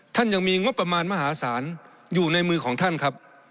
ท่านยังมีงบประมาณมหาศาลอยู่ในมือของท่านครับ